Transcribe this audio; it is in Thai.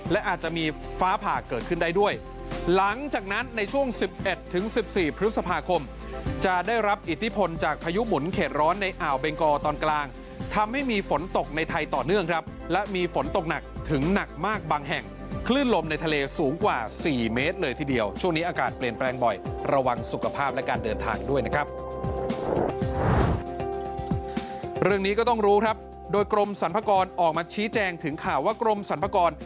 และอาจจะมีฟ้าผ่าเกิดขึ้นได้ด้วยหลังจากนั้นในช่วงสิบเอ็ดถึงสิบสี่พฤษภาคมจะได้รับอิทธิพลจากพายุหมุนเขตร้อนในอ่าวเบงกอตอนกลางทำให้มีฝนตกในไทยต่อเนื่องครับและมีฝนตกหนักถึงหนักมากบางแห่งคลื่นลมในทะเลสูงกว่าสี่เมตรเลยทีเดียวช่วงนี้อากาศเปลี่ยนแปลงบ่อยระวังสุ